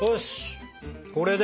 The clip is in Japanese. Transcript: これで？